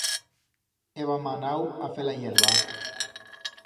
Hébam anau a fer la hierba.